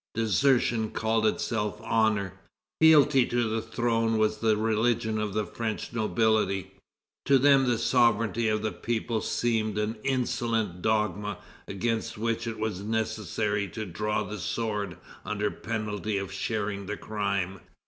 Desertion called itself honor. Fealty to the throne was the religion of the French nobility. To them the sovereignty of the people seemed an insolent dogma against which it was necessary to draw the sword under penalty of sharing the crime.